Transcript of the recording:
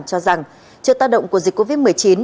cho rằng trước tác động của dịch covid một mươi chín